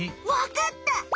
わかった！